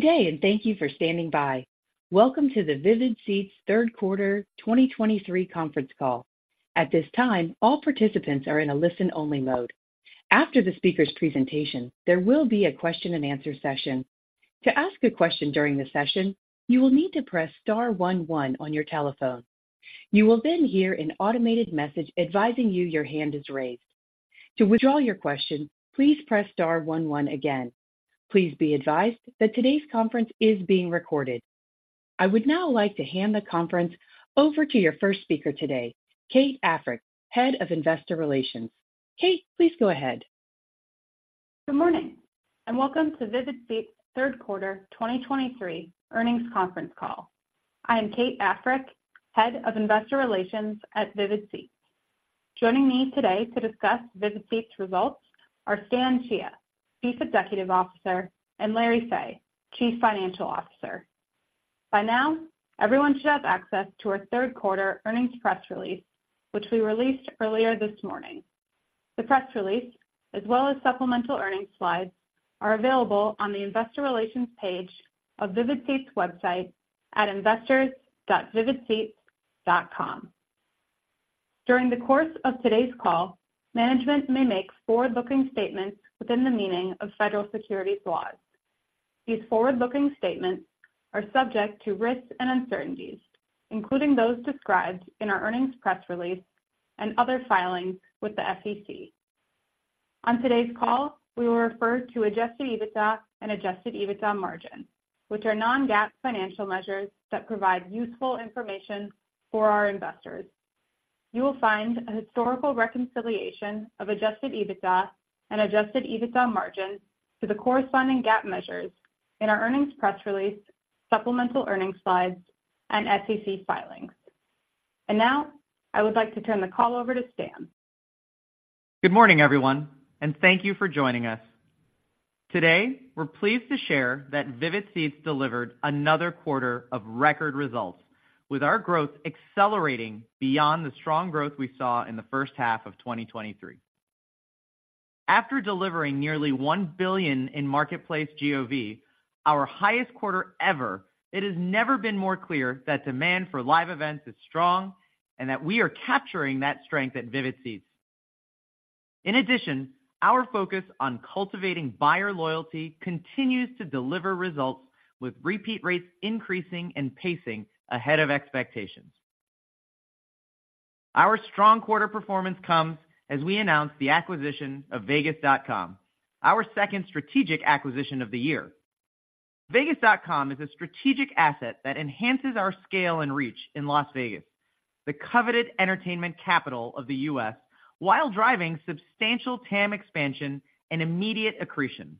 Good day, and thank you for standing by. Welcome to the Vivid Seats Third Quarter 2023 conference call. At this time, all participants are in a listen-only mode. After the speaker's presentation, there will be a question and answer session. To ask a question during the session, you will need to press star one one on your telephone. You will then hear an automated message advising you your hand is raised. To withdraw your question, please press star one one again. Please be advised that today's conference is being recorded. I would now like to hand the conference over to your first speaker today, Kate Africk, Head of Investor Relations. Kate, please go ahead. Good morning, and welcome to Vivid Seats' third quarter 2023 earnings conference call. I am Kate Africk, Head of Investor Relations at Vivid Seats. Joining me today to discuss Vivid Seats' results are Stan Chia, Chief Executive Officer, and Larry Fey, Chief Financial Officer. By now, everyone should have access to our third quarter earnings press release, which we released earlier this morning. The press release, as well as supplemental earnings slides, are available on the investor relations page of Vivid Seats' website at investors.vividseats.com. During the course of today's call, management may make forward-looking statements within the meaning of federal securities laws. These forward-looking statements are subject to risks and uncertainties, including those described in our earnings press release and other filings with the SEC. On today's call, we will refer to Adjusted EBITDA and Adjusted EBITDA margin, which are non-GAAP financial measures that provide useful information for our investors. You will find a historical reconciliation of Adjusted EBITDA and Adjusted EBITDA margin to the corresponding GAAP measures in our earnings press release, supplemental earnings slides, and SEC filings. And now, I would like to turn the call over to Stan. Good morning, everyone, and thank you for joining us. Today, we're pleased to share that Vivid Seats delivered another quarter of record results, with our growth accelerating beyond the strong growth we saw in the first half of 2023. After delivering nearly $1 billion in marketplace GOV, our highest quarter ever, it has never been more clear that demand for live events is strong and that we are capturing that strength at Vivid Seats. In addition, our focus on cultivating buyer loyalty continues to deliver results, with repeat rates increasing and pacing ahead of expectations. Our strong quarter performance comes as we announce the acquisition of Vegas.com, our second strategic acquisition of the year. Vegas.com is a strategic asset that enhances our scale and reach in Las Vegas, the coveted entertainment capital of the U.S., while driving substantial TAM expansion and immediate accretion.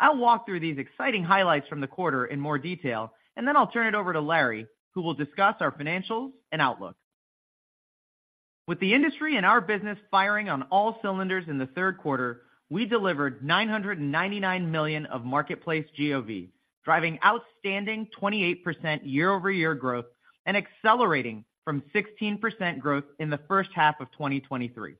I'll walk through these exciting highlights from the quarter in more detail, and then I'll turn it over to Larry, who will discuss our financials and outlook. With the industry and our business firing on all cylinders in the third quarter, we delivered $999 million of marketplace GOV, driving outstanding 28% year-over-year growth and accelerating from 16% growth in the first half of 2023.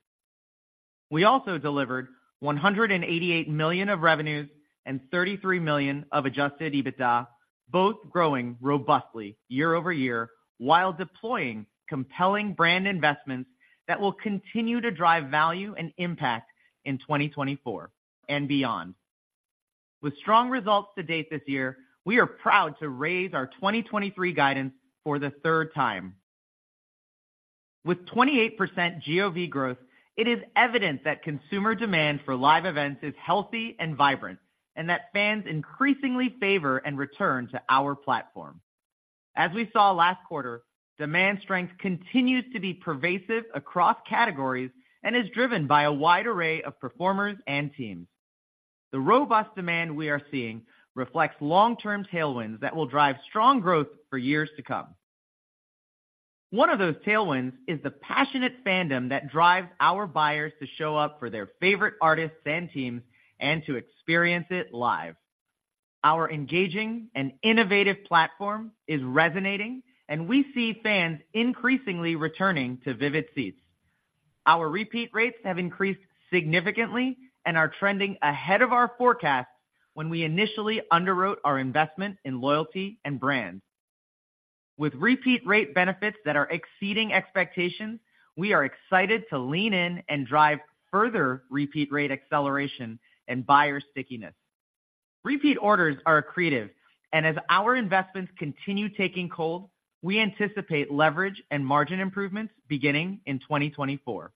We also delivered $188 million of revenues and $33 million of adjusted EBITDA, both growing robustly year over year, while deploying compelling brand investments that will continue to drive value and impact in 2024 and beyond. With strong results to date this year, we are proud to raise our 2023 guidance for the third time. With 28% GOV growth, it is evident that consumer demand for live events is healthy and vibrant, and that fans increasingly favor and return to our platform. As we saw last quarter, demand strength continues to be pervasive across categories and is driven by a wide array of performers and teams. The robust demand we are seeing reflects long-term tailwinds that will drive strong growth for years to come. One of those tailwinds is the passionate fandom that drives our buyers to show up for their favorite artists and teams, and to experience it live. Our engaging and innovative platform is resonating, and we see fans increasingly returning to Vivid Seats. Our repeat rates have increased significantly and are trending ahead of our forecasts when we initially underwrote our investment in loyalty and brands. With repeat rate benefits that are exceeding expectations, we are excited to lean in and drive further repeat rate acceleration and buyer stickiness. Repeat orders are accretive, and as our investments continue taking hold, we anticipate leverage and margin improvements beginning in 2024.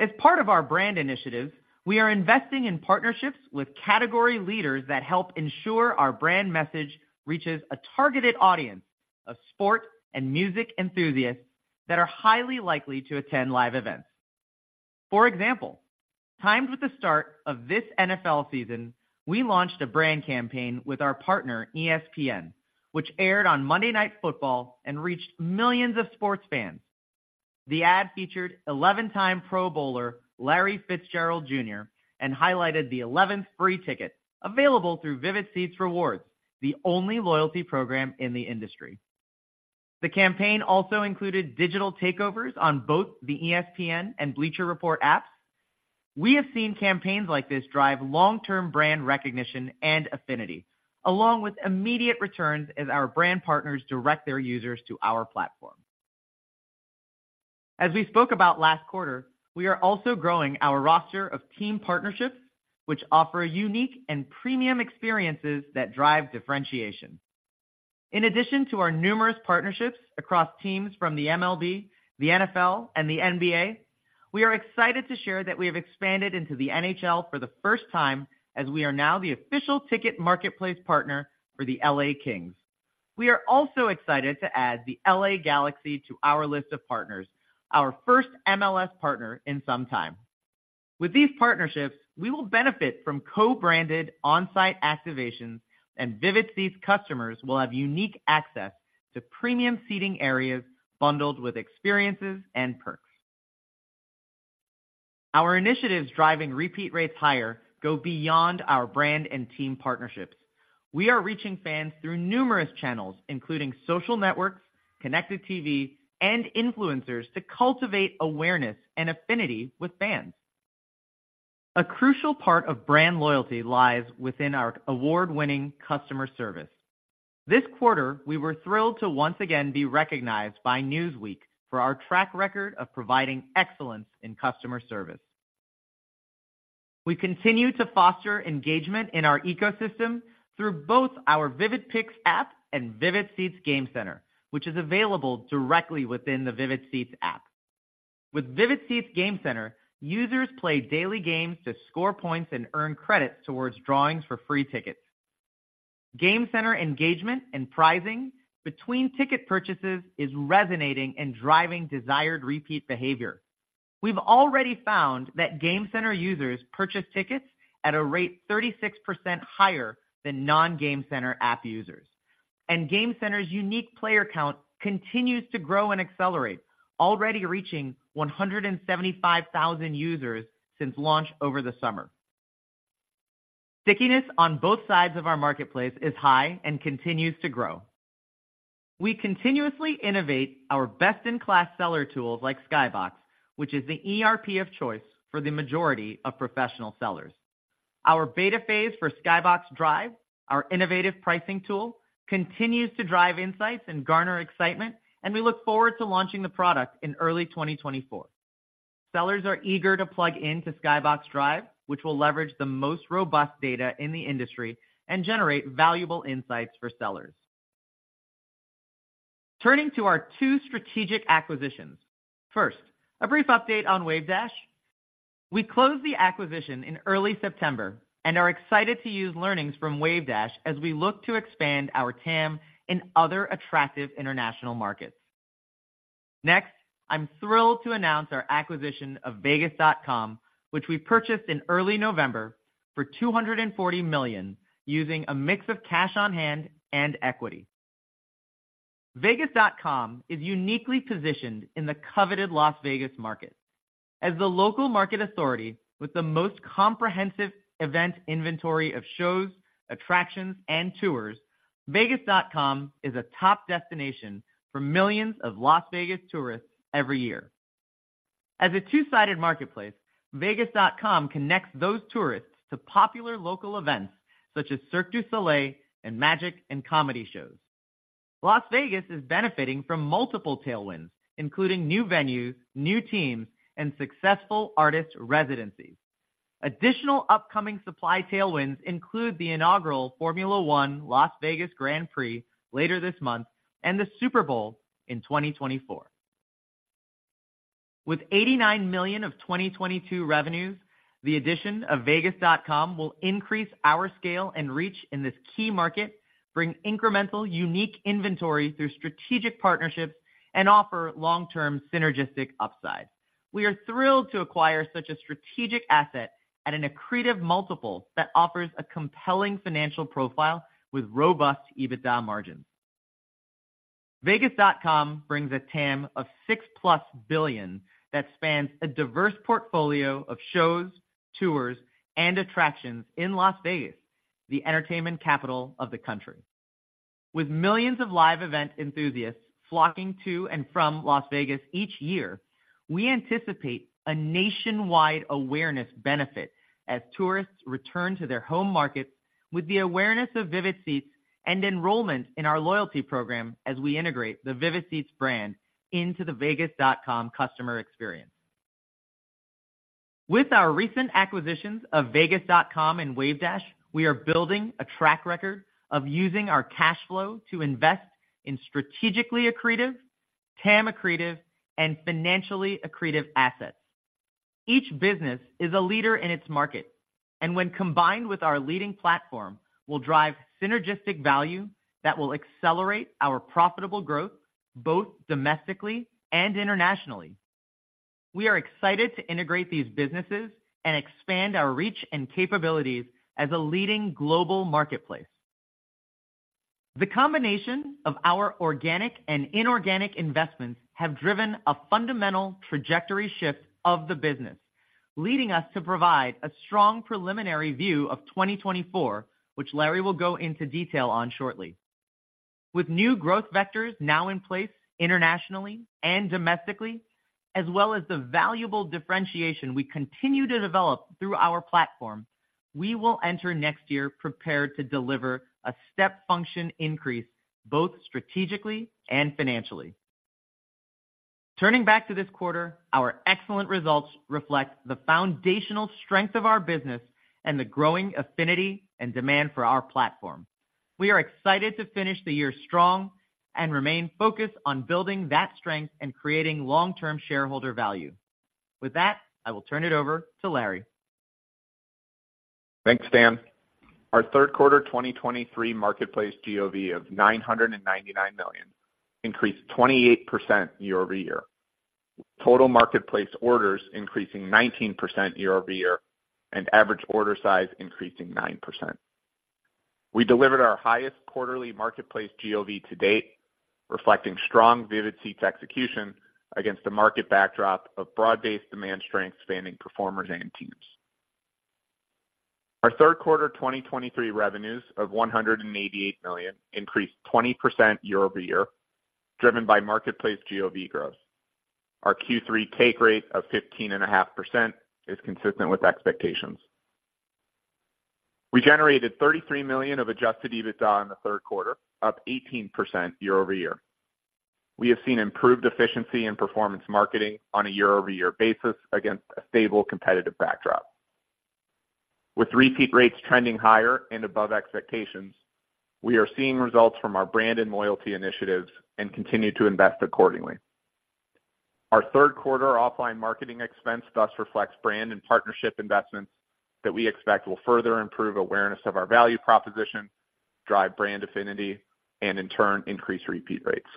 As part of our brand initiative, we are investing in partnerships with category leaders that help ensure our brand message reaches a targeted audience of sport and music enthusiasts that are highly likely to attend live events. For example, timed with the start of this NFL season, we launched a brand campaign with our partner, ESPN, which aired on Monday Night Football and reached millions of sports fans. The ad featured 11-time Pro Bowler, Larry Fitzgerald Jr., and highlighted the 11th free ticket available through Vivid Seats Rewards, the only loyalty program in the industry. The campaign also included digital takeovers on both the ESPN and Bleacher Report apps. We have seen campaigns like this drive long-term brand recognition and affinity, along with immediate returns as our brand partners direct their users to our platform. As we spoke about last quarter, we are also growing our roster of team partnerships, which offer unique and premium experiences that drive differentiation. In addition to our numerous partnerships across teams from the MLB, the NFL, and the NBA, we are excited to share that we have expanded into the NHL for the first time, as we are now the official ticket marketplace partner for the LA Kings. We are also excited to add the LA Galaxy to our list of partners, our first MLS partner in some time. With these partnerships, we will benefit from co-branded on-site activations, and Vivid Seats customers will have unique access to premium seating areas bundled with experiences and perks. Our initiatives driving repeat rates higher go beyond our brand and team partnerships. We are reaching fans through numerous channels, including social networks, connected TV, and influencers to cultivate awareness and affinity with fans. A crucial part of brand loyalty lies within our award-winning customer service. This quarter, we were thrilled to once again be recognized by Newsweek for our track record of providing excellence in customer service. We continue to foster engagement in our ecosystem through both our Vivid Picks app and Vivid Seats Game Center, which is available directly within the Vivid Seats app. With Vivid Seats Game Center, users play daily games to score points and earn credits towards drawings for free tickets. Game Center engagement and prizing between ticket purchases is resonating and driving desired repeat behavior. We've already found that Game Center users purchase tickets at a rate 36% higher than non-Game Center app users. Game Center's unique player count continues to grow and accelerate, already reaching 175,000 users since launch over the summer. Stickiness on both sides of our marketplace is high and continues to grow. We continuously innovate our best-in-class seller tools like Skybox, which is the ERP of choice for the majority of professional sellers. Our beta phase for Skybox Drive, our innovative pricing tool, continues to drive insights and garner excitement, and we look forward to launching the product in early 2024. Sellers are eager to plug in to Skybox Drive, which will leverage the most robust data in the industry and generate valuable insights for sellers. Turning to our two strategic acquisitions. First, a brief update on Wavedash. We closed the acquisition in early September and are excited to use learnings from Wavedash as we look to expand our TAM in other attractive international markets. Next, I'm thrilled to announce our acquisition of vegas.com, which we purchased in early November for $240 million, using a mix of cash on hand and equity. vegas.com is uniquely positioned in the coveted Las Vegas market. As the local market authority with the most comprehensive event inventory of shows, attractions, and tours, vegas.com is a top destination for millions of Las Vegas tourists every year. As a two-sided marketplace, vegas.com connects those tourists to popular local events such as Cirque du Soleil and magic and comedy shows. Las Vegas is benefiting from multiple tailwinds, including new venues, new teams, and successful artist residencies. Additional upcoming supply tailwinds include the inaugural Formula One Las Vegas Grand Prix later this month and the Super Bowl in 2024. With $89 million of 2022 revenues, the addition of vegas.com will increase our scale and reach in this key market, bring incremental unique inventory through strategic partnerships, and offer long-term synergistic upside. We are thrilled to acquire such a strategic asset at an accretive multiple that offers a compelling financial profile with robust EBITDA margins. vegas.com brings a TAM of +$6 billion that spans a diverse portfolio of shows, tours, and attractions in Las Vegas, the entertainment capital of the country. With millions of live event enthusiasts flocking to and from Las Vegas each year, we anticipate a nationwide awareness benefit as tourists return to their home markets with the awareness of Vivid Seats and enrollment in our loyalty program as we integrate the Vivid Seats brand into the vegas.com customer experience. With our recent acquisitions of vegas.com and Wavedash, we are building a track record of using our cash flow to invest in strategically accretive, TAM accretive, and financially accretive assets. Each business is a leader in its market, and when combined with our leading platform, will drive synergistic value that will accelerate our profitable growth, both domestically and internationally. We are excited to integrate these businesses and expand our reach and capabilities as a leading global marketplace. The combination of our organic and inorganic investments have driven a fundamental trajectory shift of the business... Leading us to provide a strong preliminary view of 2024, which Larry will go into detail on shortly. With new growth vectors now in place internationally and domestically, as well as the valuable differentiation we continue to develop through our platform, we will enter next year prepared to deliver a step function increase, both strategically and financially. Turning back to this quarter, our excellent results reflect the foundational strength of our business and the growing affinity and demand for our platform. We are excited to finish the year strong and remain focused on building that strength and creating long-term shareholder value. With that, I will turn it over to Larry. Thanks, Stan. Our third quarter 2023 marketplace GOV of $999 million increased 28% year-over-year. Total marketplace orders increasing 19% year-over-year, and average order size increasing 9%. We delivered our highest quarterly marketplace GOV to date, reflecting strong Vivid Seats execution against a market backdrop of broad-based demand strength spanning performers and teams. Our third quarter 2023 revenues of $188 million increased 20% year-over-year, driven by marketplace GOV growth. Our Q3 take rate of 15.5% is consistent with expectations. We generated $33 million of Adjusted EBITDA in the third quarter, up 18% year-over-year. We have seen improved efficiency in performance marketing on a year-over-year basis against a stable competitive backdrop. With repeat rates trending higher and above expectations, we are seeing results from our brand and loyalty initiatives and continue to invest accordingly. Our third quarter offline marketing expense thus reflects brand and partnership investments that we expect will further improve awareness of our value proposition, drive brand affinity, and in turn, increase repeat rates.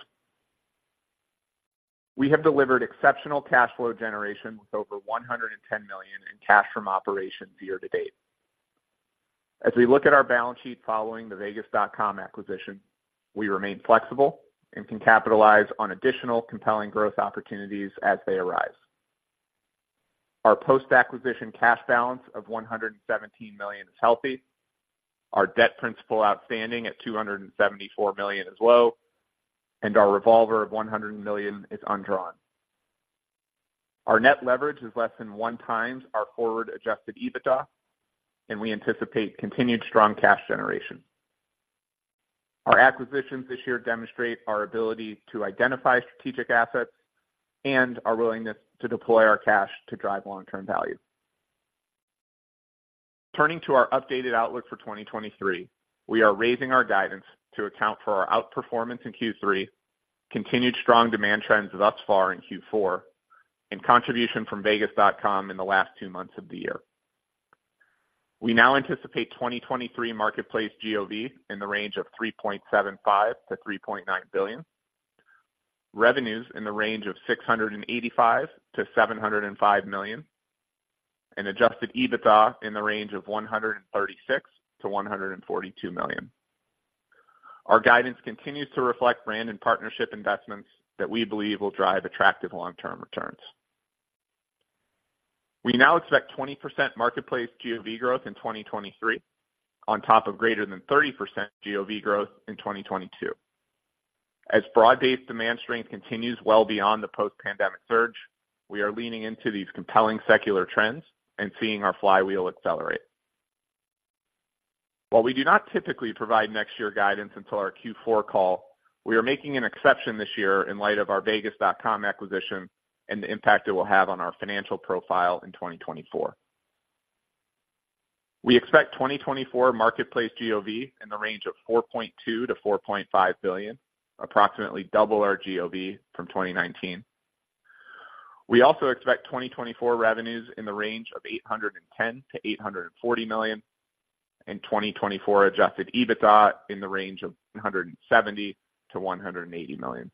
We have delivered exceptional cash flow generation with over $110 million in cash from operations year to date. As we look at our balance sheet following the vegas.com acquisition, we remain flexible and can capitalize on additional compelling growth opportunities as they arise. Our post-acquisition cash balance of $117 million is healthy, our debt principal outstanding at $274 million is low, and our revolver of $100 million is undrawn. Our net leverage is less than one times our forward Adjusted EBITDA, and we anticipate continued strong cash generation. Our acquisitions this year demonstrate our ability to identify strategic assets and our willingness to deploy our cash to drive long-term value. Turning to our updated outlook for 2023, we are raising our guidance to account for our outperformance in Q3, continued strong demand trends thus far in Q4, and contribution from vegas.com in the last two months of the year. We now anticipate 2023 marketplace GOV in the range of $3.75 billion-$3.9 billion. Revenues in the range of $685 million-$705 million, and Adjusted EBITDA in the range of $136 million-$142 million. Our guidance continues to reflect brand and partnership investments that we believe will drive attractive long-term returns. We now expect 20% marketplace GOV growth in 2023, on top of >30% GOV growth in 2022. As broad-based demand strength continues well beyond the post-pandemic surge, we are leaning into these compelling secular trends and seeing our flywheel accelerate. While we do not typically provide next year guidance until our Q4 call, we are making an exception this year in light of our vegas.com acquisition and the impact it will have on our financial profile in 2024. We expect 2024 marketplace GOV in the range of $4.2 billion-$4.5 billion, approximately double our GOV from 2019. We also expect 2024 revenues in the range of $810 million-$840 million, and 2024 Adjusted EBITDA in the range of $170 million-$180 million.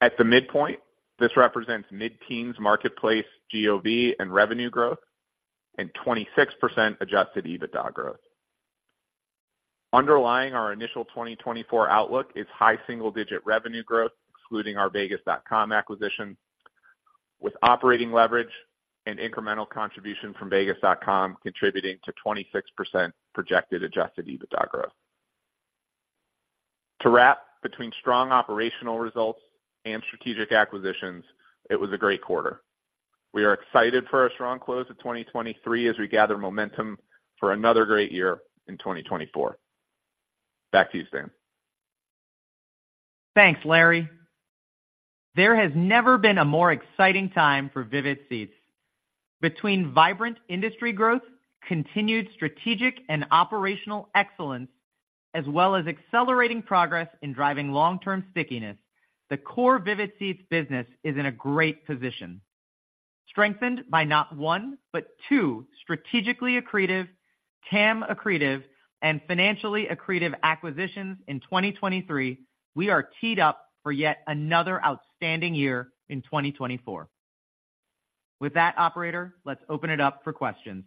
At the midpoint, this represents mid-teens marketplace GOV and revenue growth, and 26% Adjusted EBITDA growth. Underlying our initial 2024 outlook is high single-digit revenue growth, excluding our vegas.com acquisition, with operating leverage and incremental contribution from vegas.com, contributing to 26% projected Adjusted EBITDA growth. To wrap, between strong operational results and strategic acquisitions, it was a great quarter. We are excited for our strong close to 2023 as we gather momentum for another great year in 2024. Back to you, Stan. Thanks, Larry. There has never been a more exciting time for Vivid Seats. Between vibrant industry growth, continued strategic and operational excellence, as well as accelerating progress in driving long-term stickiness, the core Vivid Seats business is in a great position. Strengthened by not one, but two strategically accretive, TAM accretive, and financially accretive acquisitions in 2023, we are teed up for yet another outstanding year in 2024. With that, operator, let's open it up for questions.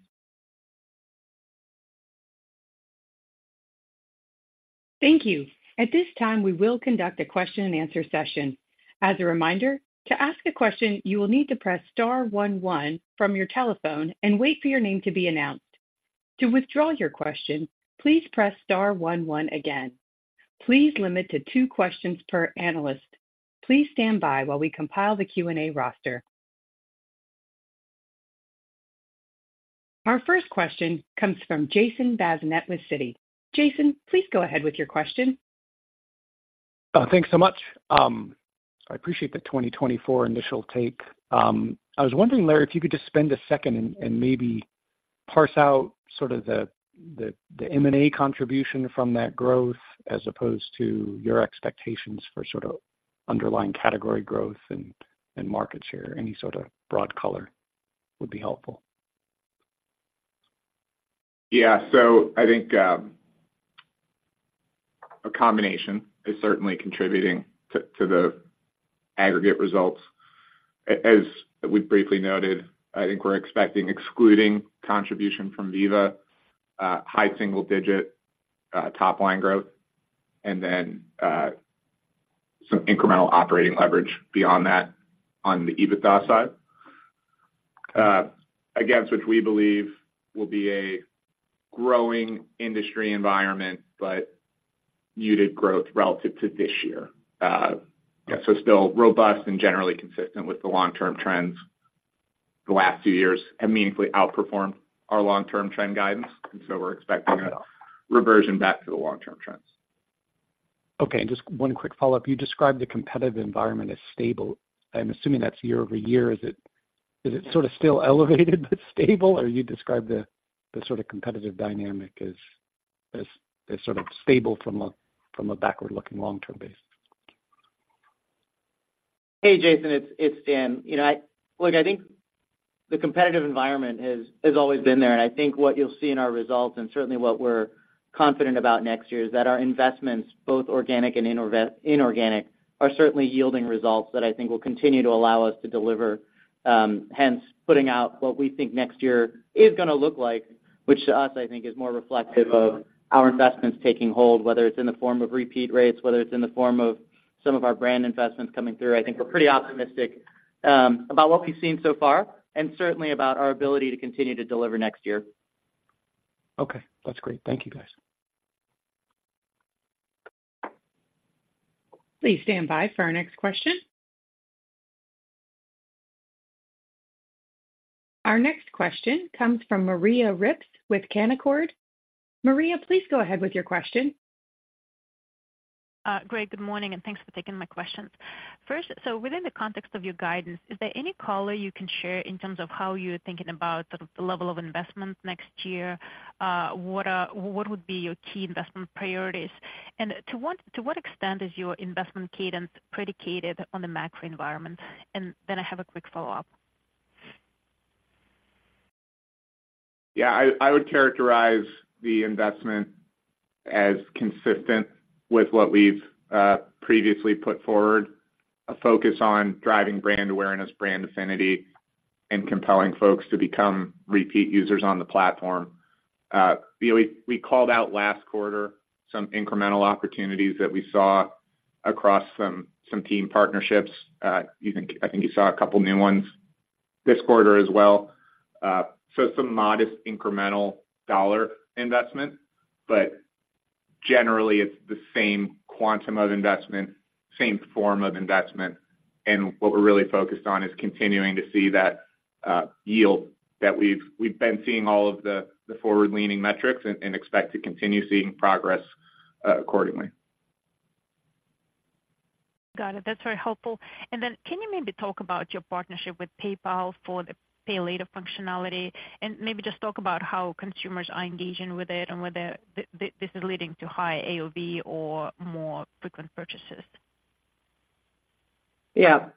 Thank you. At this time, we will conduct a question and answer session. As a reminder, to ask a question, you will need to press star one one from your telephone and wait for your name to be announced. To withdraw your question, please press star one one again. Please limit to two questions per analyst. Please stand by while we compile the Q&A roster. Our first question comes from Jason Bazinet with Citi. Jason, please go ahead with your question. Thanks so much. I appreciate the 2024 initial take. I was wondering, Larry, if you could just spend a second and maybe parse out sort of the M&A contribution from that growth, as opposed to your expectations for sort of underlying category growth and market share. Any sort of broad color would be helpful. Yeah. So I think a combination is certainly contributing to the aggregate results. As we briefly noted, I think we're expecting, excluding contribution from vegas.com, high single digit top line growth and then some incremental operating leverage beyond that on the EBITDA side. Against which we believe will be a growing industry environment, but muted growth relative to this year. Yeah, so still robust and generally consistent with the long-term trends. The last few years have meaningfully outperformed our long-term trend guidance, and so we're expecting a reversion back to the long-term trends. Okay, and just one quick follow-up. You described the competitive environment as stable. I'm assuming that's year over year. Is it sort of still elevated but stable? Or you describe the sort of competitive dynamic as sort of stable from a backward-looking, long-term basis? Hey, Jason, it's Dan. You know, I look, I think the competitive environment has always been there, and I think what you'll see in our results, and certainly what we're confident about next year, is that our investments, both organic and inorganic, are certainly yielding results that I think will continue to allow us to deliver. Hence, putting out what we think next year is going to look like, which to us, I think is more reflective of our investments taking hold, whether it's in the form of repeat rates, whether it's in the form of some of our brand investments coming through. I think we're pretty optimistic about what we've seen so far, and certainly about our ability to continue to deliver next year. Okay, that's great. Thank you, guys. Please stand by for our next question. Our next question comes from Maria Ripps with Canaccord. Maria, please go ahead with your question. Great. Good morning, and thanks for taking my questions. First, so within the context of your guidance, is there any color you can share in terms of how you're thinking about the level of investment next year? What would be your key investment priorities? And to what extent is your investment cadence predicated on the macro environment? And then I have a quick follow-up. Yeah, I, I would characterize the investment as consistent with what we've previously put forward. A focus on driving brand awareness, brand affinity, and compelling folks to become repeat users on the platform. You know, we, we called out last quarter some incremental opportunities that we saw across some, some team partnerships. I think you saw a couple new ones this quarter as well. So some modest incremental dollar investment, but generally it's the same quantum of investment, same form of investment. And what we're really focused on is continuing to see that yield that we've... We've been seeing all of the, the forward-leaning metrics and, and expect to continue seeing progress accordingly. Got it. That's very helpful. And then, can you maybe talk about your partnership with PayPal for the pay later functionality, and maybe just talk about how consumers are engaging with it and whether this is leading to higher AOV or more frequent purchases? Yeah.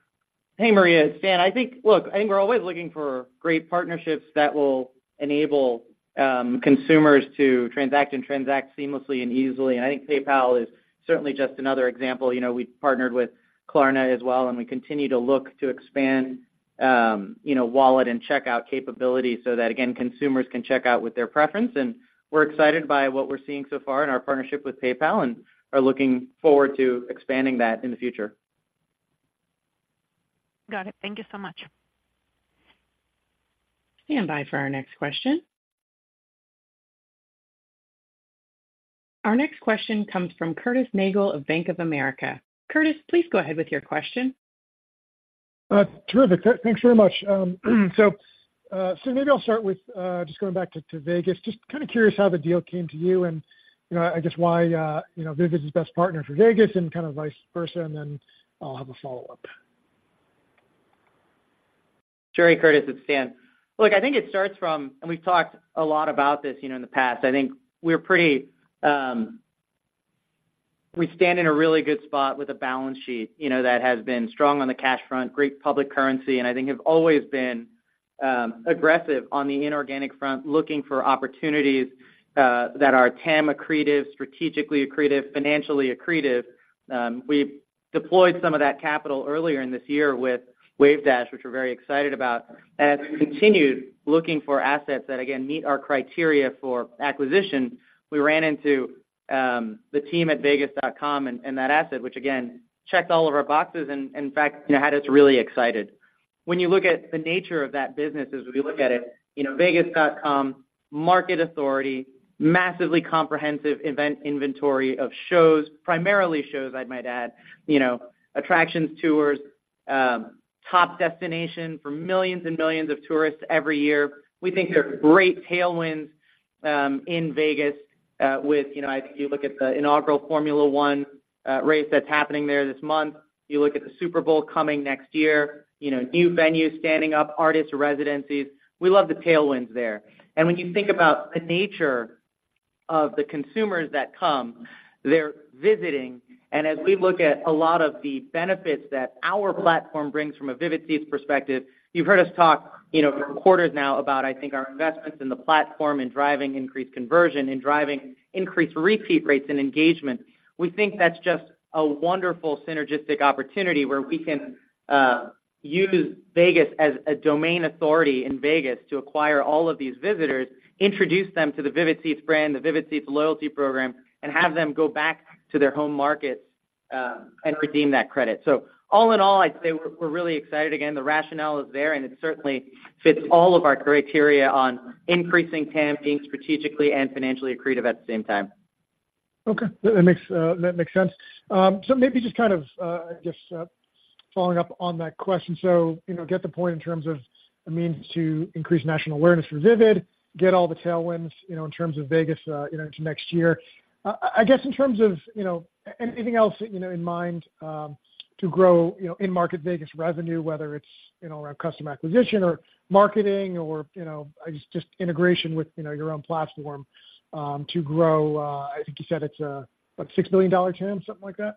Hey, Maria, it's Dan. I think. Look, I think we're always looking for great partnerships that will enable consumers to transact and transact seamlessly and easily. And I think PayPal is certainly just another example. You know, we partnered with Klarna as well, and we continue to look to expand, you know, wallet and checkout capabilities so that, again, consumers can check out with their preference. And we're excited by what we're seeing so far in our partnership with PayPal and are looking forward to expanding that in the future. Got it. Thank you so much. Stand by for our next question. Our next question comes from Curtis Nagle of Bank of America. Curtis, please go ahead with your question. Terrific. Thanks very much. So maybe I'll start with just going back to Vegas. Just kind of curious how the deal came to you, and, you know, I guess why, you know, Vivid is the best partner for Vegas and kind of vice versa, and then I'll have a follow-up. Sure, Curtis, it's Dan. Look, I think it starts from. And we've talked a lot about this, you know, in the past. I think we're pretty, we stand in a really good spot with a balance sheet, you know, that has been strong on the cash front, great public currency, and I think have always been, aggressive on the inorganic front, looking for opportunities, that are TAM accretive, strategically accretive, financially accretive. We've deployed some of that capital earlier in this year with Wavedash, which we're very excited about. As we continued looking for assets that, again, meet our criteria for acquisition, we ran into, the team at vegas.com and, and that asset, which again, checked all of our boxes and, in fact, you know, had us really excited. When you look at the nature of that business, as we look at it, you know, vegas.com, market authority, massively comprehensive event inventory of shows, primarily shows I might add, you know, attractions, tours, top destination for millions and millions of tourists every year. We think there are great tailwinds, in Vegas, with, you know, I think you look at the inaugural Formula One race that's happening there this month, you look at the Super Bowl coming next year, you know, new venues standing up, artists, residencies. We love the tailwinds there. And when you think about the nature of the consumers that come, they're visiting. As we look at a lot of the benefits that our platform brings from a Vivid Seats perspective, you've heard us talk, you know, for quarters now about, I think, our investments in the platform, in driving increased conversion, in driving increased repeat rates and engagement. We think that's just a wonderful synergistic opportunity where we can use Vegas as a domain authority in Vegas to acquire all of these visitors, introduce them to the Vivid Seats brand, the Vivid Seats loyalty program, and have them go back to their home markets and redeem that credit. So all in all, I'd say we're, we're really excited. Again, the rationale is there, and it certainly fits all of our criteria on increasing TAM, being strategically and financially accretive at the same time. Okay, that makes sense. So maybe just kind of following up on that question. So, you know, get the point in terms of a means to increase national awareness for Vivid, get all the tailwinds, you know, in terms of Vegas, you know, into next year. I guess, in terms of, you know, anything else, you know, in mind, to grow, you know, in-market Vegas revenue, whether it's, you know, around customer acquisition or marketing or, you know, just integration with, you know, your own platform, to grow, I think you said it's a, like, $6 billion TAM, something like that?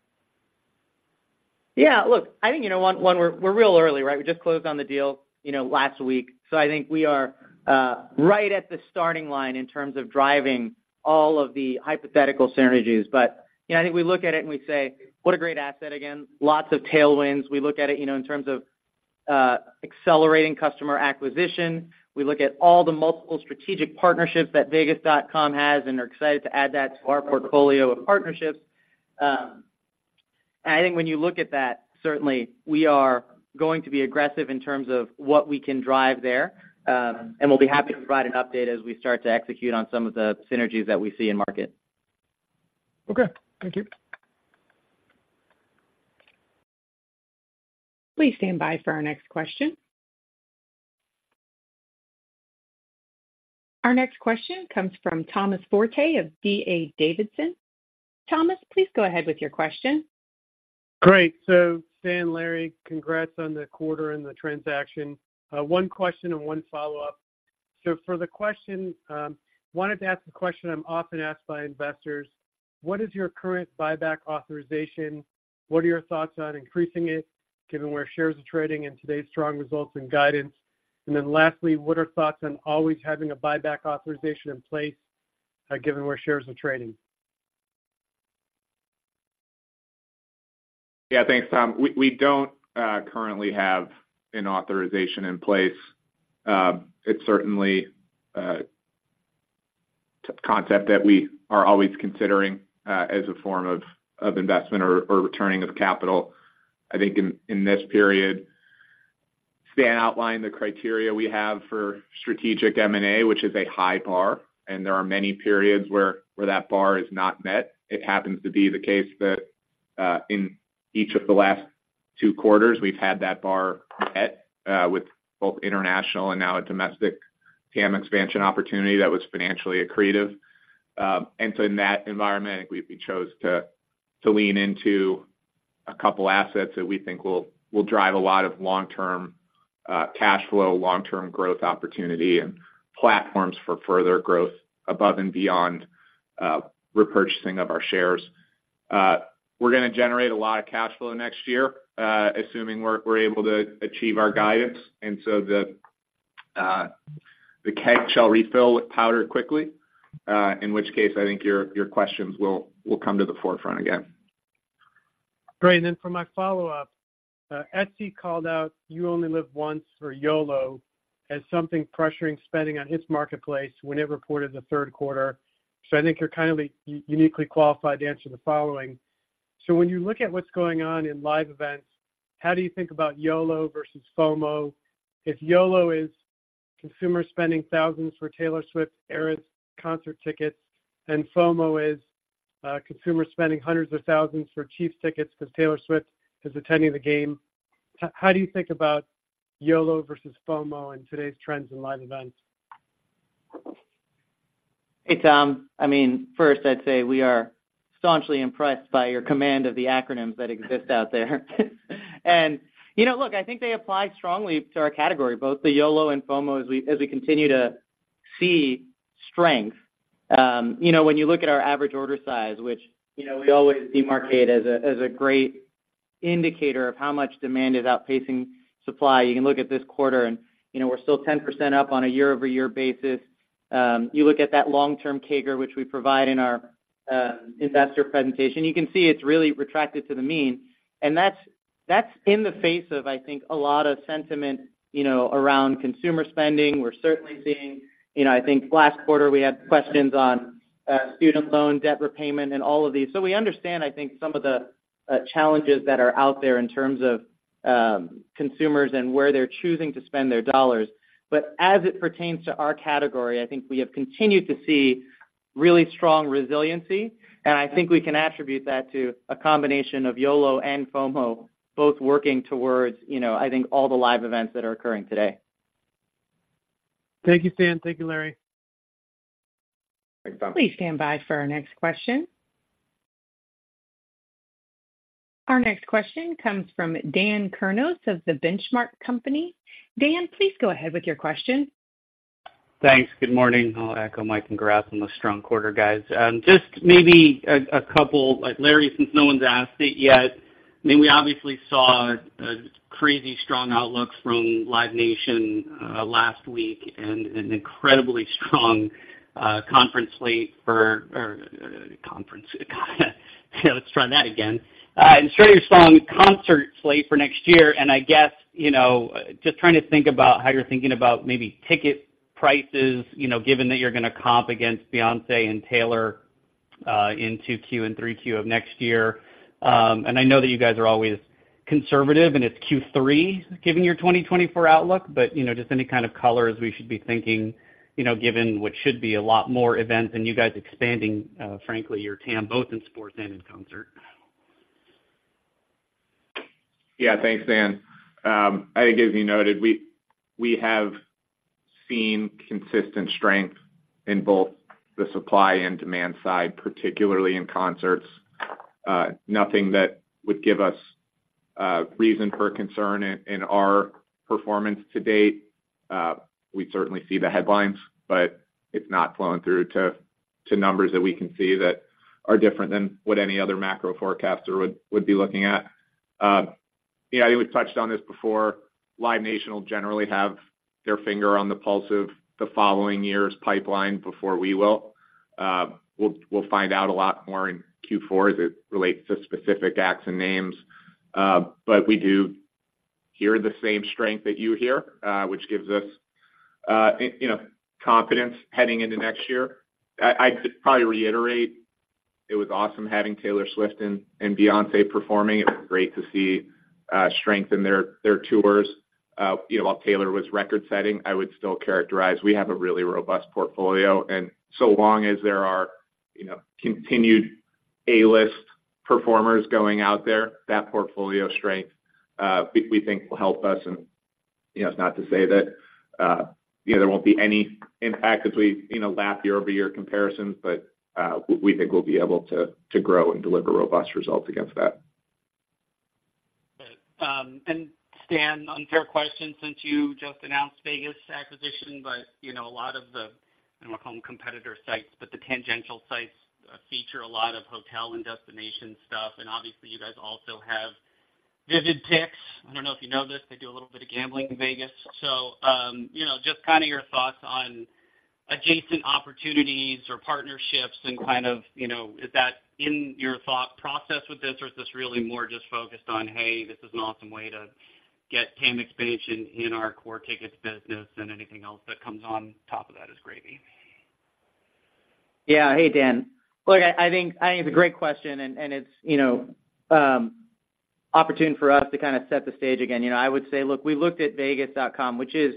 Yeah, look, I think, you know what, one, we're, we're real early, right? We just closed on the deal, you know, last week. So I think we are right at the starting line in terms of driving all of the hypothetical synergies. But, you know, I think we look at it and we say, "What a great asset again, lots of tailwinds." We look at it, you know, in terms of accelerating customer acquisition. We look at all the multiple strategic partnerships that vegas.com has and are excited to add that to our portfolio of partnerships. And I think when you look at that, certainly we are going to be aggressive in terms of what we can drive there, and we'll be happy to provide an update as we start to execute on some of the synergies that we see in market. Okay, thank you. Please stand by for our next question. Our next question comes from Thomas Forte of D.A. Davidson. Thomas, please go ahead with your question. Great. So Stan, Larry, congrats on the quarter and the transaction. One question and one follow-up. So for the question, wanted to ask a question I'm often asked by investors: What is your current buyback authorization? What are your thoughts on increasing it, given where shares are trading and today's strong results and guidance? And then lastly, what are thoughts on always having a buyback authorization in place, given where shares are trading? Yeah, thanks, Tom. We don't currently have an authorization in place. It's certainly a concept that we are always considering as a form of investment or returning of capital. I think in this period, Stan outlined the criteria we have for strategic M&A, which is a high bar, and there are many periods where that bar is not met. It happens to be the case that in each of the last two quarters, we've had that bar met with both international and now a domestic TAM expansion opportunity that was financially accretive. And so in that environment, I think we chose to lean into a couple assets that we think will drive a lot of long-term cash flow, long-term growth opportunity, and platforms for further growth above and beyond repurchasing of our shares. We're going to generate a lot of cash flow next year, assuming we're able to achieve our guidance. And so the keg shall refill with powder quickly, in which case, I think your questions will come to the forefront again. Great. And then for my follow-up, Etsy called out You Only Live Once or YOLO as something pressuring spending on its marketplace when it reported the third quarter. So I think you're kindly, uniquely qualified to answer the following: So when you look at what's going on in live events, how do you think about YOLO versus FOMO? If YOLO is consumer spending thousands for Taylor Swift, eras, concert tickets, and FOMO is consumer spending hundreds of thousands for Chiefs tickets because Taylor Swift is attending the game, how do you think about YOLO versus FOMO in today's trends in live events? Hey, Tom. I mean, first, I'd say we are staunchly impressed by your command of the acronyms that exist out there. And, you know, look, I think they apply strongly to our category, both the YOLO and FOMO, as we, as we continue to see strength. You know, when you look at our average order size, which, you know, we always demarcate as a, as a great indicator of how much demand is outpacing supply, you can look at this quarter and, you know, we're still 10% up on a year-over-year basis. You look at that long-term CAGR, which we provide in our, uh, investor presentation, you can see it's really retracted to the mean. And that's, that's in the face of, I think, a lot of sentiment, you know, around consumer spending. We're certainly seeing, you know, I think last quarter we had questions on, student loan, debt repayment, and all of these. So we understand, I think, some of the, challenges that are out there in terms of, consumers and where they're choosing to spend their dollars. But as it pertains to our category, I think we have continued to see really strong resiliency, and I think we can attribute that to a combination of YOLO and FOMO, both working towards, you know, I think all the live events that are occurring today. Thank you, Stan. Thank you, Larry. Please stand by for our next question. Our next question comes from Dan Kurnos of The Benchmark Company. Dan, please go ahead with your question. Thanks. Good morning. I'll echo Mike and congrats on the strong quarter, guys. Just maybe a couple, like, Larry, since no one's asked it yet, I mean, we obviously saw a crazy strong outlook from Live Nation last week, and an incredibly strong concert slate for next year. And I guess, you know, just trying to think about how you're thinking about maybe ticket prices, you know, given that you're going to comp against Beyoncé and Taylor in 2Q and 3Q of next year. I know that you guys are always conservative, and it's Q3, giving your 2024 outlook, but, you know, just any kind of color as we should be thinking, you know, given what should be a lot more events and you guys expanding, frankly, your TAM, both in sports and in concert. Yeah. Thanks, Dan. I think as you noted, we have seen consistent strength in both the supply and demand side, particularly in concerts. Nothing that would give us reason for concern in our performance to date. We certainly see the headlines, but it's not flowing through to numbers that we can see that are different than what any other macro forecaster would be looking at. Yeah, I think we've touched on this before. Live Nation will generally have their finger on the pulse of the following year's pipeline before we will. We'll find out a lot more in Q4 as it relates to specific acts and names. But we do hear the same strength that you hear, which gives us, you know, confidence heading into next year. I could probably reiterate, it was awesome having Taylor Swift and Beyoncé performing. It was great to see strength in their tours. You know, while Taylor was record-setting, I would still characterize, we have a really robust portfolio, and so long as there are, you know, continued A-list performers going out there, that portfolio strength, we think will help us and, you know, it's not to say that, you know, there won't be any impact as we, you know, lap year-over-year comparisons, but we think we'll be able to grow and deliver robust results against that. Good. And Stan, unfair question, since you just announced Vegas acquisition, but, you know, a lot of the, I don't want to call them competitor sites, but the tangential sites, feature a lot of hotel and destination stuff, and obviously, you guys also have Vivid Seats. I don't know if you know this, they do a little bit of gambling in Vegas. So, you know, just kind of your thoughts on adjacent opportunities or partnerships and kind of, you know, is that in your thought process with this, or is this really more just focused on, "Hey, this is an awesome way to get TAM expansion in our core tickets business, and anything else that comes on top of that is gravy? Yeah. Hey, Dan. Look, I think it's a great question, and it's, you know, opportune for us to kind of set the stage again. You know, I would say, look, we looked at vegas.com, which is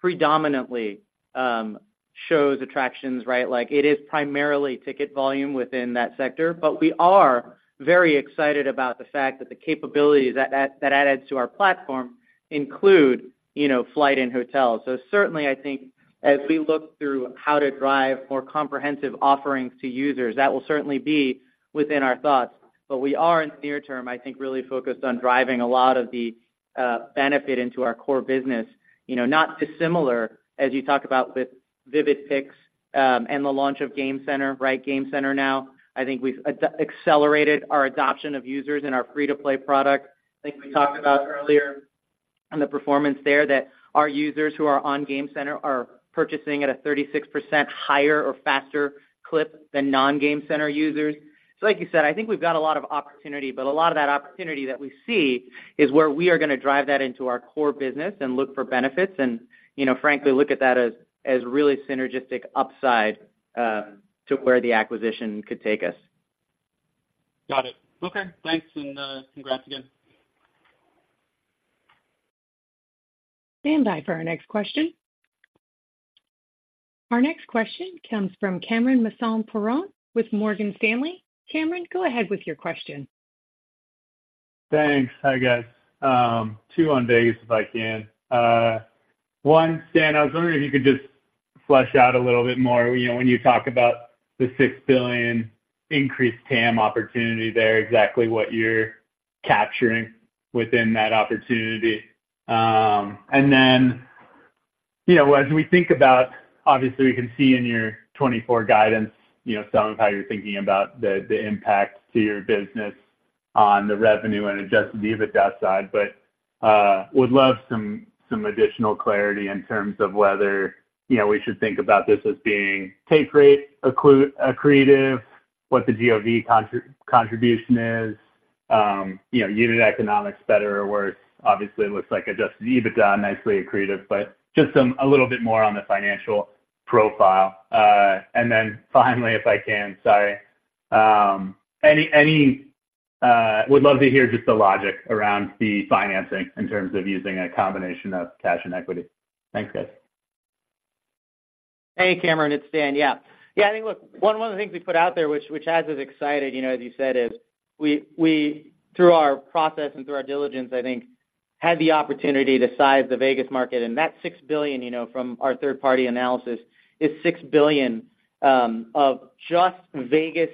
predominantly shows, attractions, right? Like, it is primarily ticket volume within that sector. But we are very excited about the fact that the capabilities that adds to our platform include, you know, flight and hotels. So certainly, I think as we look through how to drive more comprehensive offerings to users, that will certainly be within our thoughts. But we are, in the near term, I think, really focused on driving a lot of the benefit into our core business. You know, not dissimilar, as you talked about with Vivid Seats, and the launch of Game Center, right? Center now, I think we've accelerated our adoption of users in our free-to-play product. I think we talked about earlier on the performance there, that our users who are on Game Center are purchasing at a 36% higher or faster clip than non-Game Center users. So like you said, I think we've got a lot of opportunity, but a lot of that opportunity that we see is where we are going to drive that into our core business and look for benefits. And, you know, frankly, look at that as really synergistic upside, to where the acquisition could take us. Got it. Okay, thanks, and, congrats again. Stand by for our next question. Our next question comes from Cameron Mansson-Perrone with Morgan Stanley. Cameron, go ahead with your question. Thanks. Hi, guys. Two on Vegas, if I can. One, Stan, I was wondering if you could just flesh out a little bit more, you know, when you talk about the $6 billion increased TAM opportunity there, exactly what you're capturing within that opportunity. And then. You know, as we think about, obviously, we can see in your 2024 guidance, you know, some of how you're thinking about the impact to your business on the revenue and adjusted EBITDA side, but would love some additional clarity in terms of whether, you know, we should think about this as being take rate accretive, what the GOV contribution is, you know, unit economics, better or worse. Obviously, it looks like adjusted EBITDA nicely accretive, but just some, a little bit more on the financial profile. And then finally, if I can, sorry, would love to hear just the logic around the financing in terms of using a combination of cash and equity. Thanks, guys. Hey, Cameron, it's Dan. Yeah. Yeah, I think, look, one of the things we put out there, which has us excited, you know, as you said, is we, through our process and through our diligence, I think, had the opportunity to size the Vegas market. And that $6 billion, you know, from our third-party analysis, is $6 billion of just Vegas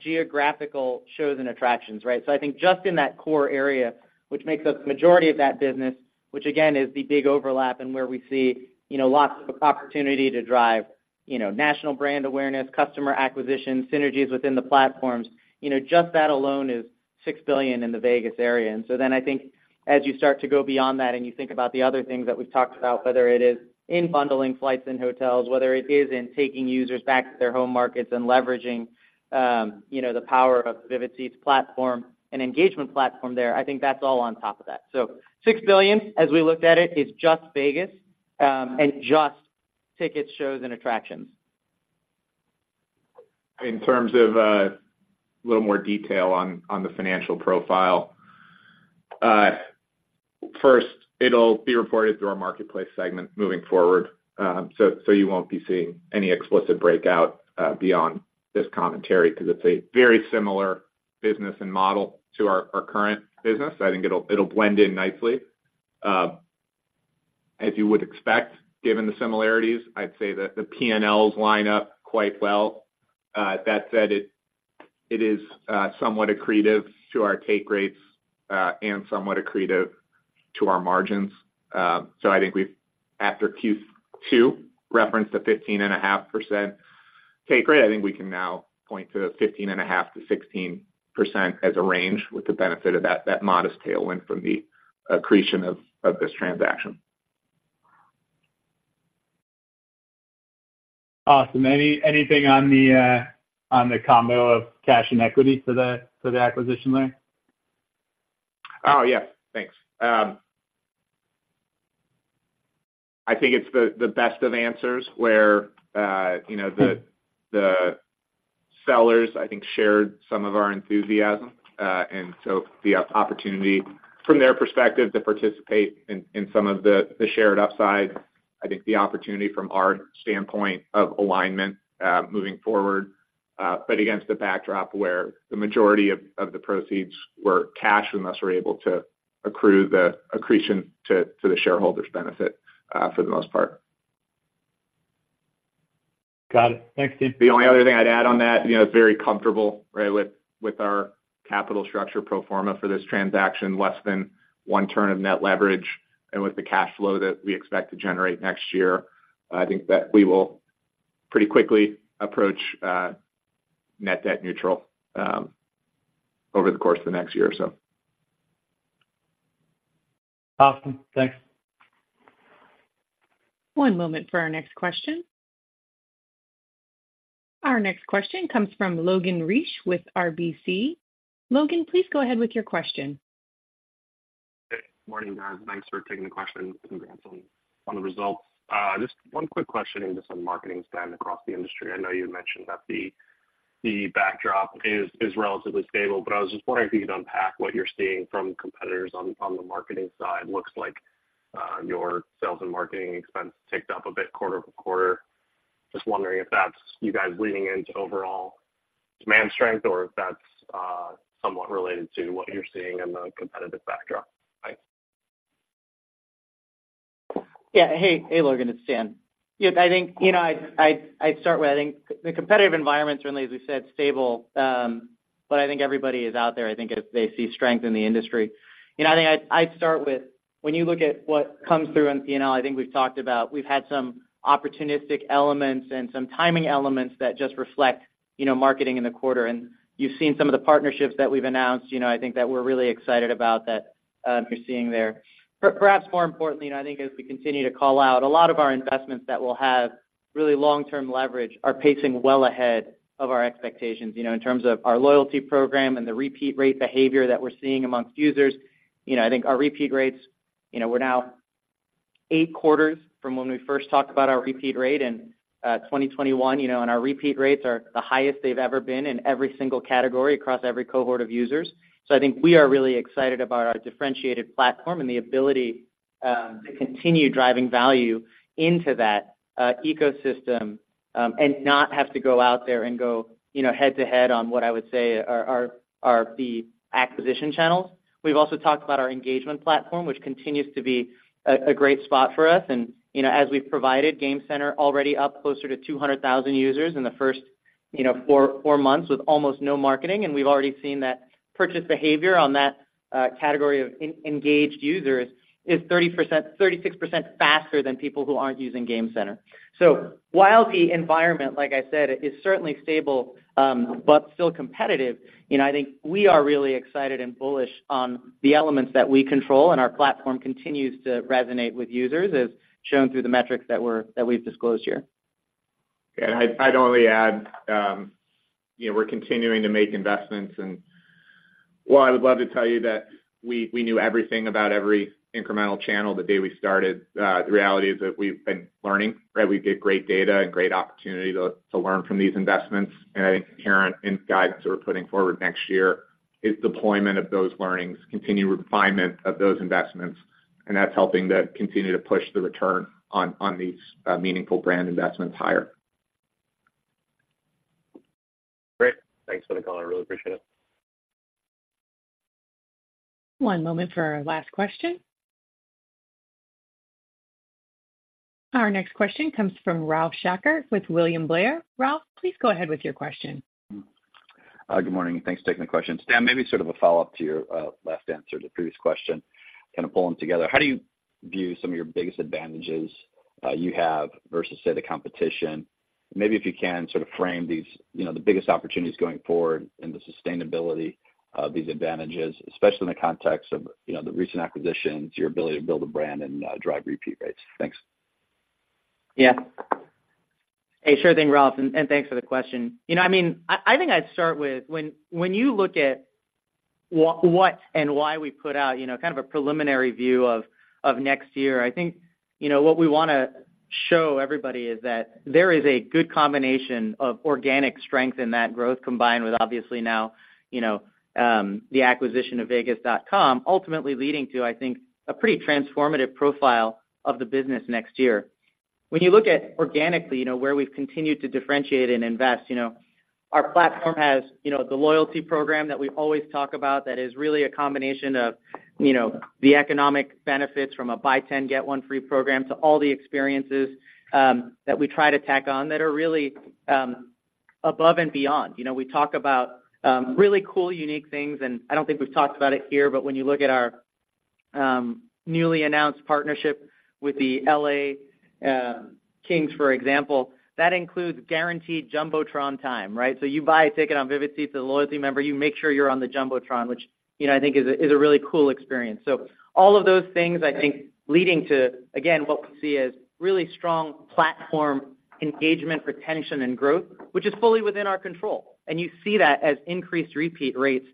geographical shows and attractions, right? So I think just in that core area, which makes up the majority of that business, which again, is the big overlap and where we see, you know, lots of opportunity to drive, you know, national brand awareness, customer acquisition, synergies within the platforms. You know, just that alone is $6 billion in the Vegas area. So then I think as you start to go beyond that and you think about the other things that we've talked about, whether it is in bundling flights and hotels, whether it is in taking users back to their home markets and leveraging, you know, the power of Vivid Seats platform and engagement platform there, I think that's all on top of that. So $6 billion, as we looked at it, is just Vegas, and just tickets, shows and attractions. In terms of a little more detail on the financial profile. First, it'll be reported through our marketplace segment moving forward, so you won't be seeing any explicit breakout beyond this commentary because it's a very similar business and model to our current business. I think it'll blend in nicely. As you would expect, given the similarities, I'd say that the PNLs line up quite well. That said, it is somewhat accretive to our take rates and somewhat accretive to our margins. So I think we've, after Q2, referenced a 15.5% take rate, I think we can now point to 15.5%-16% as a range with the benefit of that modest tailwind from the accretion of this transaction. Awesome. Anything on the combo of cash and equity for the acquisition there? Oh, yes. Thanks. I think it's the best of answers, where you know, the sellers, I think, shared some of our enthusiasm, and so the opportunity from their perspective to participate in some of the shared upside. I think the opportunity from our standpoint of alignment moving forward, but against the backdrop where the majority of the proceeds were cash, and thus we're able to accrue the accretion to the shareholders' benefit, for the most part. Got it. Thanks, Steve. The only other thing I'd add on that, you know, very comfortable, right, with our capital structure pro forma for this transaction, less than one turn of Net Leverage. With the cash flow that we expect to generate next year, I think that we will pretty quickly approach net debt neutral over the course of the next year or so. Awesome. Thanks. One moment for our next question. Our next question comes from Logan Reich with RBC. Logan, please go ahead with your question. Good morning, guys. Thanks for taking the question and granting on the results. Just one quick question into some marketing spend across the industry. I know you had mentioned that the backdrop is relatively stable, but I was just wondering if you could unpack what you're seeing from competitors on the marketing side. Looks like your sales and marketing expenses ticked up a bit quarter-over-quarter. Just wondering if that's you guys leaning into overall demand strength or if that's somewhat related to what you're seeing in the competitive backdrop. Thanks. Yeah. Hey, hey, Logan, it's Dan. Yeah, I think, you know, I I'd start with, I think the competitive environment, certainly, as we said, stable, but I think everybody is out there. I think they see strength in the industry. You know, I think I'd, I'd start with, when you look at what comes through on P&L, I think we've talked about we had some opportunistic elements and some timing elements that just reflect, you know, marketing in the quarter, and you've seen some of the partnerships that we've announced, you know, I think that we're really excited about that, you're seeing there. Perhaps more importantly, and I think as we continue to call out, a lot of our investments that will have really long-term leverage are pacing well ahead of our expectations, you know, in terms of our loyalty program and the repeat rate behavior that we're seeing amongst users. You know, I think our repeat rates, you know, we're now eight quarters from when we first talked about our repeat rate in 2021, you know, and our repeat rates are the highest they've ever been in every single category across every cohort of users. So I think we are really excited about our differentiated platform and the ability to continue driving value into that ecosystem, and not have to go out there and go, you know, head-to-head on what I would say are the acquisition channels. We've also talked about our engagement platform, which continues to be a great spot for us. And, you know, as we've provided Game Center already up closer to 200,000 users in the first four months with almost no marketing, and we've already seen that purchase behavior on that category of engaged users is 36% faster than people who aren't using Game Center. So while the environment, like I said, is certainly stable, but still competitive, you know, I think we are really excited and bullish on the elements that we control, and our platform continues to resonate with users, as shown through the metrics that we've disclosed here. And I'd only add, you know, we're continuing to make investments. And while I would love to tell you that we knew everything about every incremental channel the day we started, the reality is that we've been learning, right? We get great data and great opportunity to learn from these investments. And I think, Karen, in guidance that we're putting forward next year, is deployment of those learnings, continued refinement of those investments, and that's helping to continue to push the return on these meaningful brand investments higher. Great. Thanks for the call. I really appreciate it. One moment for our last question. Our next question comes from Ralph Schackart with William Blair. Ralph, please go ahead with your question. Good morning, and thanks for taking the question. Dan, maybe sort of a follow-up to your last answer to the previous question, kind of pull them together. How do you view some of your biggest advantages you have versus, say, the competition? Maybe if you can sort of frame these, you know, the biggest opportunities going forward and the sustainability of these advantages, especially in the context of, you know, the recent acquisitions, your ability to build a brand and drive repeat rates. Thanks. Yeah. Hey, sure thing, Ralph, and thanks for the question. You know, I mean, I think I'd start with when you look at what and why we put out, you know, kind of a preliminary view of next year. I think, you know, what we want to show everybody is that there is a good combination of organic strength in that growth, combined with obviously now, you know, the acquisition of vegas.com, ultimately leading to, I think, a pretty transformative profile of the business next year. When you look at organically, you know, where we've continued to differentiate and invest, you know, our platform has, you know, the loyalty program that we always talk about that is really a combination of, you know, the economic benefits from a buy 10, get one free program to all the experiences that we try to tack on that are really above and beyond. You know, we talk about really cool, unique things, and I don't think we've talked about it here, but when you look at our newly announced partnership with the LA Kings, for example, that includes guaranteed jumbotron time, right? So you buy a ticket on Vivid Seats as a loyalty member, you make sure you're on the jumbotron, which, you know, I think is a really cool experience. So all of those things, I think, leading to, again, what we see as really strong platform engagement, retention, and growth, which is fully within our control. You see that as increased repeat rates,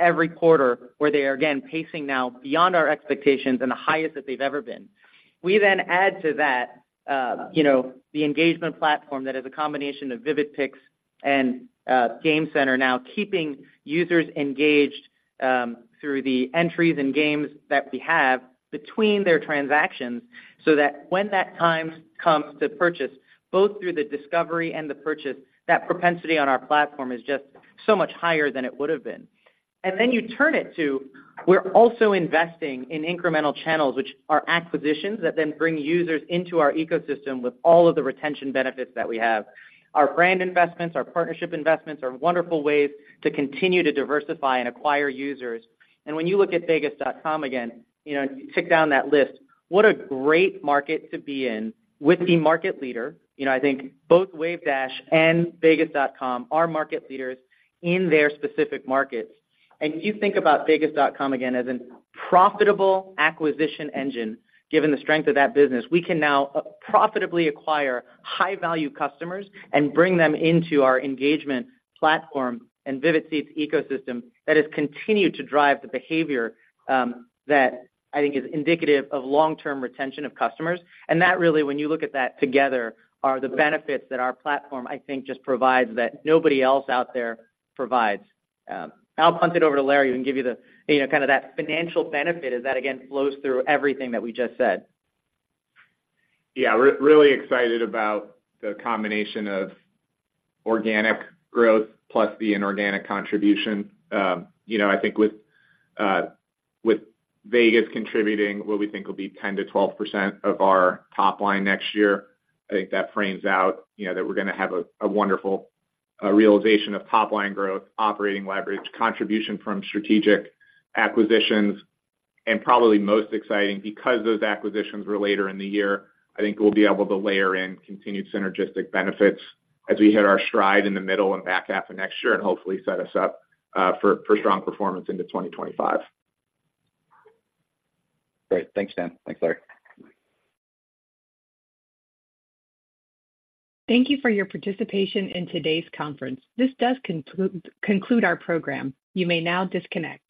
every quarter, where they are, again, pacing now beyond our expectations and the highest that they've ever been. We then add to that, you know, the engagement platform that is a combination of Vivid Picks and, Game Center now keeping users engaged, through the entries and games that we have between their transactions, so that when that time comes to purchase, both through the discovery and the purchase, that propensity on our platform is just so much higher than it would have been. And then you turn it to, we're also investing in incremental channels, which are acquisitions that then bring users into our ecosystem with all of the retention benefits that we have. Our brand investments, our partnership investments are wonderful ways to continue to diversify and acquire users. And when you look at vegas.com again, you know, tick down that list, what a great market to be in with the market leader. You know, I think both Wavedash and vegas.com are market leaders in their specific markets. And if you think about vegas.com again as a profitable acquisition engine, given the strength of that business, we can now profitably acquire high-value customers and bring them into our engagement platform and Vivid Seats ecosystem that has continued to drive the behavior that I think is indicative of long-term retention of customers. And that really, when you look at that together, are the benefits that our platform, I think, just provides that nobody else out there provides. I'll punt it over to Larry and give you the, you know, kind of that financial benefit as that again flows through everything that we just said. Yeah, we're really excited about the combination of organic growth plus the inorganic contribution. You know, I think with, with Vegas contributing what we think will be 10%-12% of our top line next year, I think that frames out, you know, that we're going to have a, a wonderful, realization of top-line growth, operating leverage, contribution from strategic acquisitions, and probably most exciting, because those acquisitions were later in the year, I think we'll be able to layer in continued synergistic benefits as we hit our stride in the middle and back half of next year and hopefully set us up, for, for strong performance into 2025. Great. Thanks, Dan. Thanks, Larry. Thank you for your participation in today's conference. This does conclude our program. You may now disconnect.